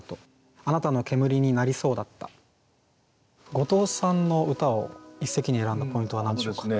後藤さんの歌を一席に選んだポイントは何でしょうか？